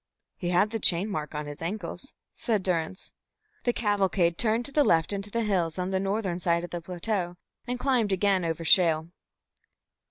"He had the chain mark on his ankles," said Durrance. The cavalcade turned to the left into the hills on the northern side of the plateau, and climbed again over shale.